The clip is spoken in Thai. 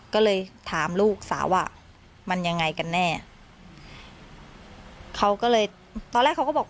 ก็เลยถามลูกสาวว่ามันยังไงกันแน่เขาก็เลยตอนแรกเขาก็บอก